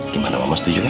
gimana mama setuju kan